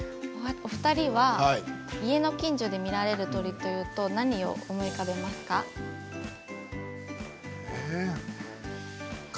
お二人は家の近所で見られる鳥というと何を思い浮かべますか。